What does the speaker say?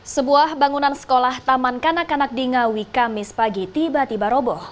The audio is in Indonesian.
sebuah bangunan sekolah taman kanak kanak dinga wika mis pagi tiba tiba roboh